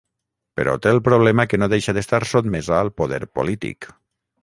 Però té el problema que no deixa d’estar sotmesa al poder polític.